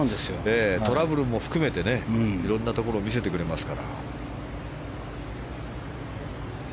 トラブルも含めていろんなところを見せてくれますから。